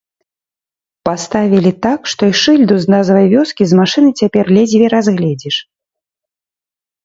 Паставілі так, што й шыльду з назвай вёскі з машыны цяпер ледзьве разгледзіш.